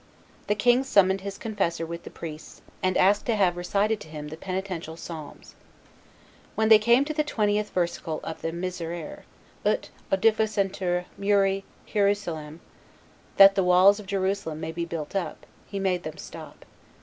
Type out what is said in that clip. The king summoned his confessor with the priests, and asked to have recited to him the penitential psalms. When they came to the twentieth versicle of the Miserere, Ut oedificentur muri Hierusalem (that the walls of Jerusalem may be built up), He made them stop.